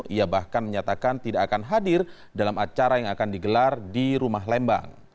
ia bahkan menyatakan tidak akan hadir dalam acara yang akan digelar di rumah lembang